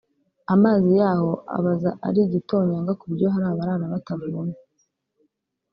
Amazi yaho abaza ari igitonyanga ku buryo hari abarara batavomye